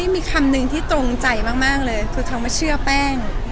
มีคำนึงที่ตรงใจมากเลยคือคำว่าเชื่อแป้ง